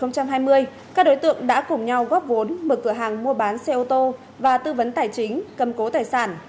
các đối tượng đã cùng nhau góp vốn mở cửa hàng mua bán xe ô tô và tư vấn tài chính cầm cố tài sản